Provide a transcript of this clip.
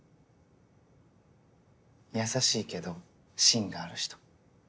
優しいけどしんがある人。